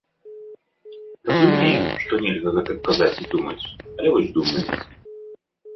Разумею, што нельга гэтак казаць і думаць, але вось думаецца.